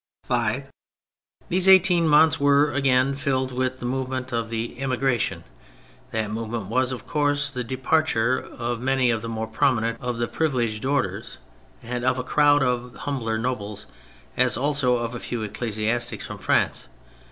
5. These eighteen months were, again, filled with the movement of the " Emigration." That movement was, of course, the departure of many of the more prominent of the privi leged orders and of a crov/d of humbler nobles, as also of a few ecclesiastics, from France.